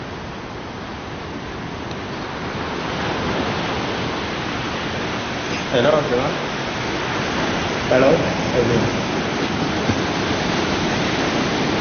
He claims that after the battle, some of his old acquaintances became Christian converts.